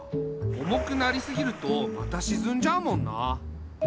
重くなりすぎるとまたしずんじゃうもんな。